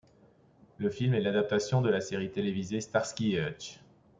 Le film est l'adaptation de la série télévisée Starsky et Hutch.